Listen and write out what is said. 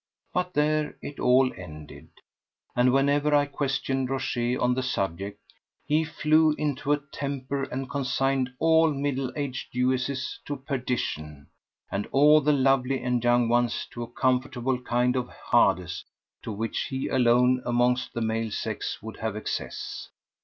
But there it all ended. And whenever I questioned Rochez on the subject, he flew into a temper and consigned all middle aged Jewesses to perdition, and all the lovely and young ones to a comfortable kind of Hades to which he alone amongst the male sex would have access.